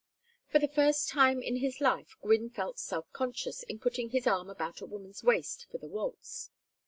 For the first time in his life Gwynne felt self conscious in putting his arm about a woman's waist for the waltz.